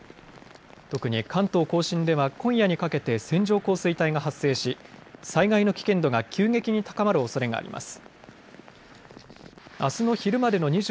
特に関東甲信では今夜にかけて線状降水帯が発生し災害の危険度が急激に高まるおそれがあります。